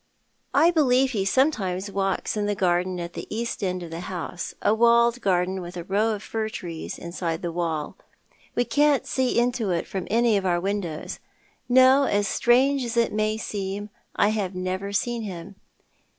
" I believe he sometimes walks in the garden at the east end of ihe house — a walled garden, with a row of fir trees inside the wall. We can't see into it from any of our windows. No, strange as it may seem, I have never seen him.